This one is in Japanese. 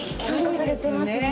そうですね。